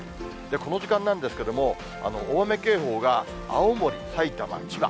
この時間なんですけれども、大雨警報が青森、埼玉、千葉。